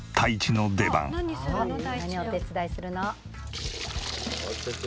何お手伝いするの？